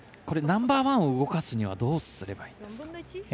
ナンバーワンを動かすにはどうすればいいですか？